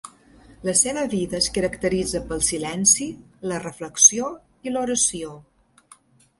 La seva vida es caracteritza pel silenci, la reflexió i l'oració.